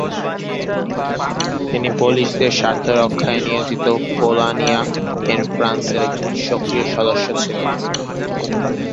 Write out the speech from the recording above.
তিনি পোলিশদের স্বার্থরক্ষায় নিয়োজিতো Polonia in ফ্রান্সের একজন সক্রিয় সদস্য ছিলেন।